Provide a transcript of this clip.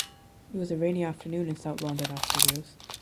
It was a rainy afternoon in South London, Art Studios.